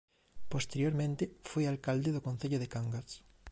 Posteriormente foi alcalde do concello de Cangas.